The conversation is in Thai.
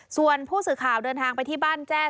ส่วนผู้สื่อข่าวเดินทางไปที่บ้านแจ้